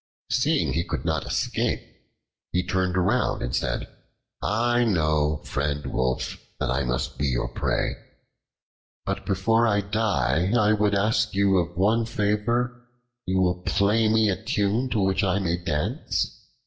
Seeing he could not escape, he turned round, and said: "I know, friend Wolf, that I must be your prey, but before I die I would ask of you one favor you will play me a tune to which I may dance."